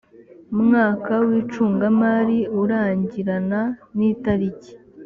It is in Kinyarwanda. mwaka w icungamari urangirana n itariki